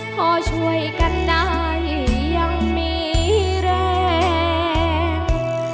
พอช่วยกันได้ยังมีแรง